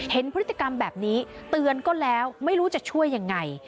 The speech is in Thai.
เห็นพฤติกรรมแบบนี้เตือนก็แล้วไม่รู้จะช่วยยังไง